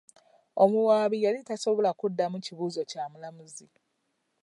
Omuwaabi yali tasobola kuddamu kibuuzo kya mulamuzi.